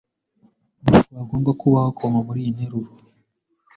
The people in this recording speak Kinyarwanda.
Ntabwo hagomba kubaho koma muriyi nteruro.